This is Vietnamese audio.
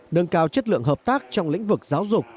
nâng cao chất lượng hợp tác trong lĩnh vực giáo dục